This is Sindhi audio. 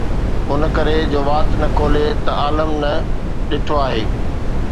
ان ڪري جو وات نه کولي ته عالم نه ڏٺو آهي